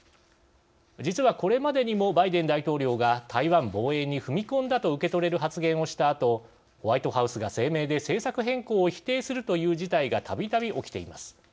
実は、これまでにもバイデン大統領が台湾防衛に踏み込んだと受け取れる発言をしたあとホワイトハウスが声明で政策変更を否定するという事態がたびたび起きています。